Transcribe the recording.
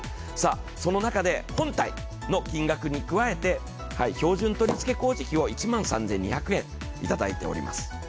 その中で、本体の金額に加えて標準取付工事費を１万３２００円いただいています。